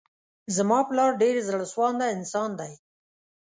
زما پلار ډير زړه سوانده انسان دی.